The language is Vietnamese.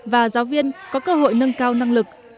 và giáo viên có cơ hội nâng cao năng lực